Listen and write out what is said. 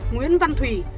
nguyễn văn thủy